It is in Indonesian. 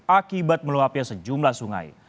akibat meluapnya sejumlah sungai